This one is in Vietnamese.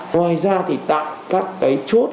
ngoài ra thì tại các cái chốt